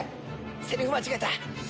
セリフ間違えた。